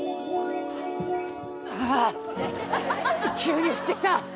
ああっ、急に降ってきた。